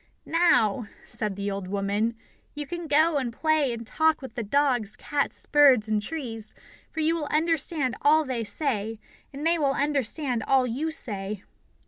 "Now," said the old woman, "you can go and play and talk with the dogs, cats, birds, and trees, for you will understand all they say, and they will understand all you say."